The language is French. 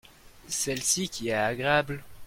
celle-ci qui est agréable.